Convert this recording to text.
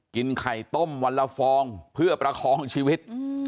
กินไข่ต้มวันละฟองเพื่อประคองชีวิต